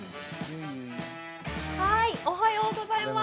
おはようございます。